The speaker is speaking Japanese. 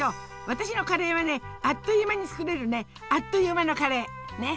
私のカレーはねアッという間に作れるねアッという間のカレー！ね。